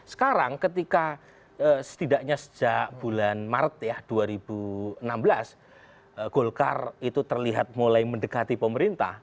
sekarang ketika setidaknya sejak bulan maret ya dua ribu enam belas golkar itu terlihat mulai mendekati pemerintah